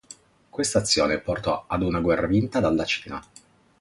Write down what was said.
Questa azione portò ad una guerra vinta dalla Cina.